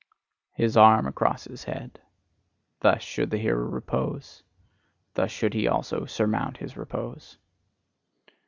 His arm across his head: thus should the hero repose; thus should he also surmount his repose.